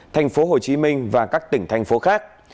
thành phố hồ chí minh và các tỉnh thành phố khác